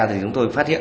thì chúng tôi phát hiện